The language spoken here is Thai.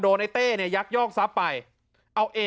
โดนไอ้เต้เนี่ยยักยอกทรัพย์ไป